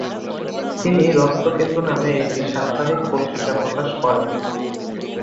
তিনি রক্তকেতু নামে একটি সাপ্তাহিক পত্রিকা প্রকাশ করেন।